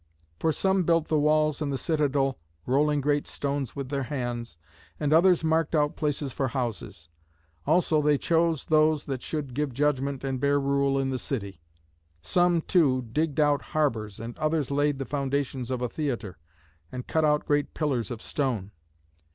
For some built the walls and the citadel, rolling great stones with their hands, and others marked out places for houses. Also they chose those that should give judgment and bear rule in the city. Some, too, digged out harbours, and others laid the foundations of a theatre, and cut out great pillars of stone.